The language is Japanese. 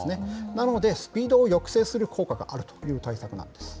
なので、スピードを抑制する効果があるという対策なんです。